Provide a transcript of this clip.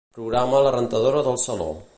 Programa la rentadora del saló.